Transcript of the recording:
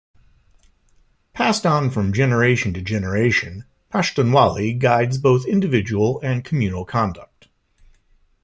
Passed on from generation to generation, Pashtunwali guides both individual and communal conduct.